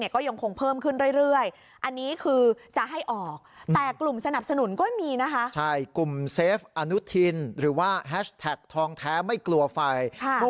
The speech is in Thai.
คือทองแท้ไม่กลัวไฟ